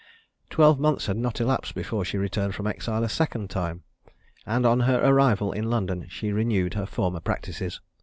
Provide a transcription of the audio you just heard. Twelve months had not elapsed before she returned from exile a second time; and on her arrival in London, she renewed her former practices.